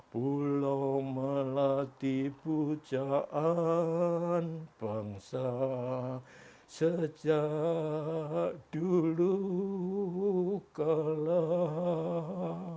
pulau melati pujaan bangsa sejak dulu kalah